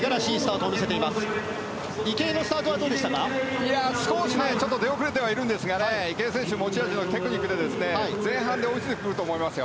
少し出遅れてはいるんですが池江選手持ち味のテクニックで前半で追いついてくると思いますよ。